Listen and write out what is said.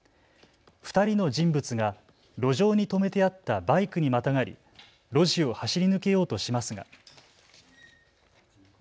２人の人物が路上に止めてあったバイクにまたがり路地を走り抜けようとしますが。